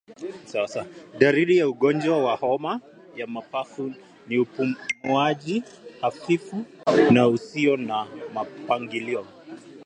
Dalili ya ugonjwa wa homa ya mapafu ni upumuaji hafifu na usio na mpangilio